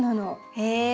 へえ。